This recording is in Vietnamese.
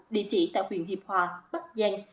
địa chỉ tại huyện hiệp hòa bắc giang